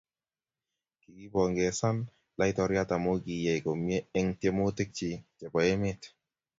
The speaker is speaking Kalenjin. Kikipongesan laitoriat amu kiyay komie eng tiemutik chii che bo emet.